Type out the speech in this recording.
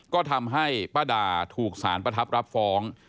ก็ทำให้ป้าดาถูกสารประทับรับฟ้อง